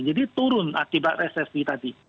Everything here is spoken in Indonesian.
jadi turun akibat resesi tadi